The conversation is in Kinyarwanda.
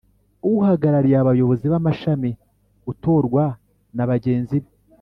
Uhagarariye Abayobozi b Amashami utorwa na bagenzi be